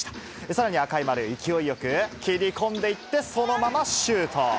さらに赤い丸、鋭く切り込んでいって、そのままシュート。